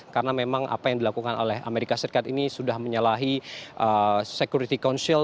karena memang apa yang dilakukan oleh amerika serikat ini sudah menyalahi security council